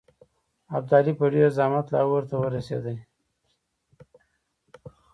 ابدالي په ډېر زحمت لاهور ته ورسېدی.